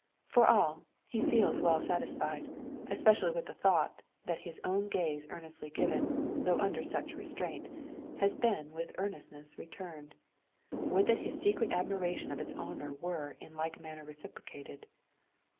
For all, he feels well satisfied especially with the thought, that his own gaze earnestly given, though under such restraint, has been with earnestness returned. Would that his secret admiration of its owner were in like manner reciprocated!